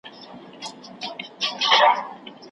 د سیلیو له کوګله زما آواز که در رسیږي